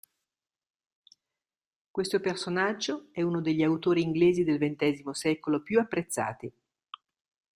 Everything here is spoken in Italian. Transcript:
Questo personaggio è uno degli autori inglesi del XX secolo più apprezzati.